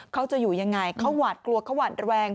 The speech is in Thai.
เขาจะอยู่ยังไงเขาหวาดกลัวเขาหวาดระแวง